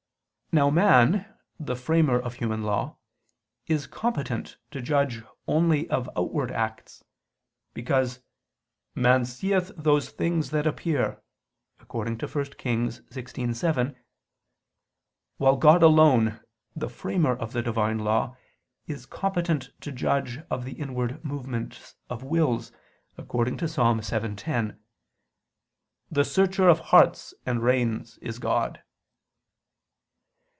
Now man, the framer of human law, is competent to judge only of outward acts; because "man seeth those things that appear," according to 1 Kings 16:7: while God alone, the framer of the Divine law, is competent to judge of the inward movements of wills, according to Ps. 7:10: "The searcher of hearts and reins is God."